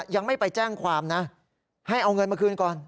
ยังไม่ไปแจ้งความนะให้เอาเงินมาคืนก่อน